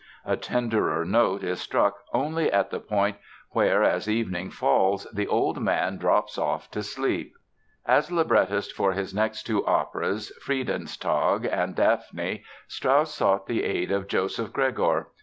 A tenderer note is struck only at the point where, as evening falls, the old man drops off to sleep. As librettist for his next two operas, Friedenstag and Daphne, Strauss sought the aid of Joseph Gregor.